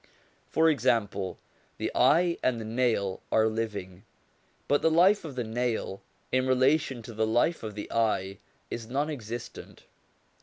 For example, the eye and the nail are living; but the life of the nail in relation to the life of the eye is non existent.